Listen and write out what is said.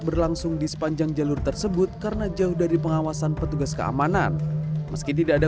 berlangsung di sepanjang jalur tersebut karena jauh dari pengawasan petugas keamanan meski tidak ada